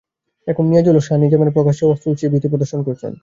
এখন নিয়াজুল ও শাহ্ নিজামেরা প্রকাশ্যে অস্ত্র উঁচিয়ে ভীতি প্রদর্শন করছেন।